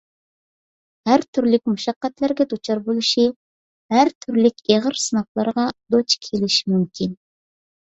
ھەر تۈرلۈك مۇشەققەتلەرگە دۇچار بولۇشى، ھەر تۈرلۈك ئېغىر سىناقلارغا دۇچ كېلىشى مۇمكىن.